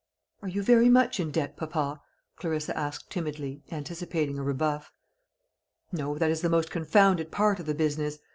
"Are you very much in debt, papa?" Clarissa asked timidly, anticipating a rebuff. "No; that is the most confounded part of the business.